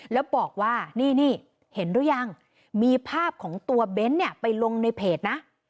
แล้วบอกว่านี่เห็นหรือยังมีภาพของตัวเบ้นเนี่ยไปลงในเพจนะ